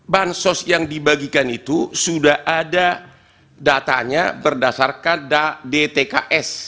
bansos yang dibagikan itu sudah ada datanya berdasarkan dtks